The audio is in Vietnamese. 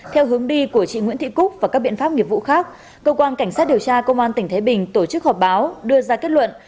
theo hướng đi của chị nguyễn thị cúc và các biện pháp nghiệp vụ khác cơ quan cảnh sát điều tra công an tỉnh thái bình tổ chức họp báo đưa ra kết luận